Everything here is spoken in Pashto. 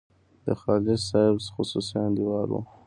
د خالص صاحب خصوصي انډیوال وو.